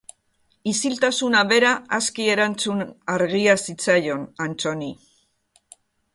Isiltasuna bera aski erantzun argia zitzaion Anttoni.